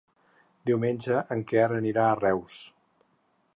Diumenge en Quer anirà a Reus.